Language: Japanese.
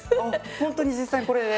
ほんとに実際にこれで？